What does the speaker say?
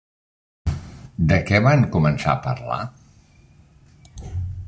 De què van començar a parlar?